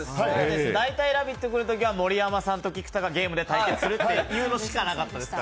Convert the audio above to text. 大体、「ラヴィット！」に来るときには盛山さんと菊田がゲームで対決するというのしかなかったですから。